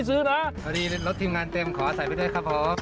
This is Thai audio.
สดีรถทีมงานเต็มขอใส่ไปด้วยครับผม